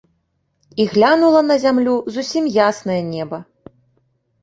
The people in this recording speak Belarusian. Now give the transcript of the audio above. І глянула на зямлю зусім яснае неба.